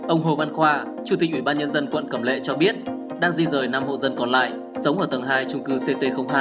ông hồ văn khoa chủ tịch ủy ban nhân dân quận cẩm lệ cho biết đang di rời năm hộ dân còn lại sống ở tầng hai trung cư ct hai